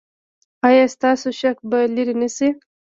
ایا ستاسو شک به لرې نه شي؟